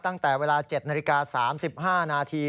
ตั้งแต่เวลา๗นาฬิกา๓๕นาที